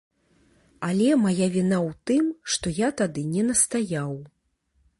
Але мая віна ў тым, што я тады не настаяў.